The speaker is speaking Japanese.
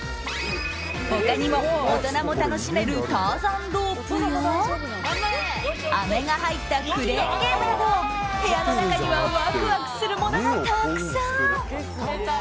他にも大人も楽しめるターザンロープやあめが入ったクレーンゲームなど部屋の中にはワクワクするものがたくさん。